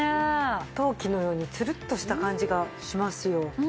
陶器のようにツルッとした感じがしますよ。